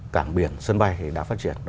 cảng biển sân bay đã phát triển